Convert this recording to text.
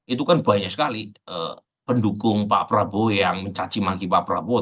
itu kan banyak sekali pendukung pak prabowo yang mencacimaki pak prabowo